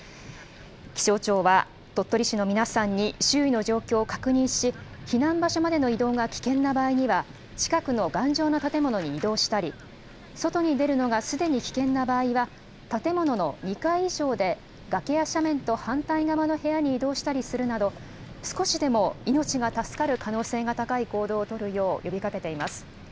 気象庁は、鳥取市の皆さんに、周囲の状況を確認し、避難場所までの移動が危険な場合には、近くの頑丈な建物に移動したり、外に出るのがすでに危険な場合は、建物の２階以上で、崖や斜面と反対側の部屋に移動したりするなど、少しでも命が助かる可能性が高い行動を取るよう呼びかけています。